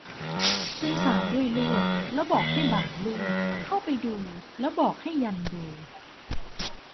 จึงสานด้วยลวด แล้วบอกให้บ่างลั่วเข้าไปดูแล้วบอกให้ยันดู